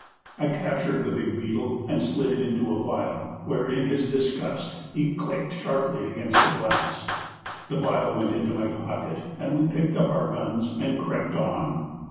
I captured the big beetle and slid him into a vial, where in his disgust he clicked sharply against the glass. The vial went into my pocket and we picked up our guns and crept on.